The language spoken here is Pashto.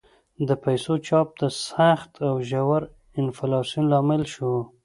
د پیسو چاپ د سخت او ژور انفلاسیون لامل شو.